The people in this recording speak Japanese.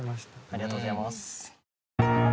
ありがとうございます。